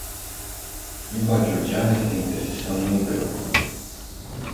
Limba georgiană este interzisă în multe locuri.